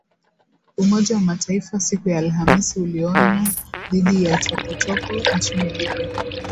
Umoja wa Mataifa siku ya Alhamisi ulionya dhidi ya chokochoko nchini Libya